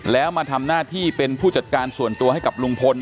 แล้วมาทำหน้าที่เป็นผู้จัดการส่วนตัวให้กับลุงพล